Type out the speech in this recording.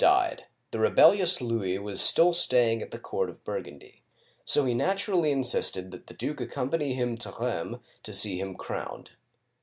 died, the rebellious Louis was still staying at the court of Burgundy, so he nat urally insisted that the duke accompany him to Rheims to see him crowned.